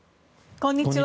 こんにちは。